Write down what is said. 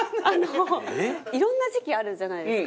いろんな時期あるじゃないですか。